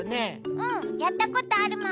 うんやったことあるもん。